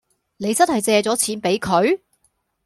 你真係借咗錢畀佢？